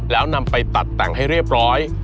แล้วนำไปตัดแต่งให้เรียบร้อย